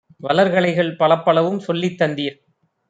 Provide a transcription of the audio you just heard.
வளர்கலைகள் பலப்பலவும் சொல்லித் தந்தீர்!